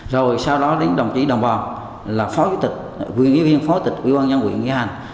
rồi sau đó đến đồng chí đồng bò là huyện ủy viên phó tịch ủy ban nhân quyền nghĩa hạch